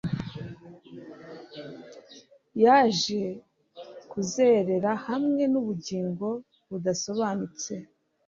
Yaje kuzerera hamwe nubugingo budasobanutse